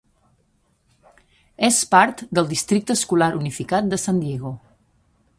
És part del districte escolar unificat de San Diego.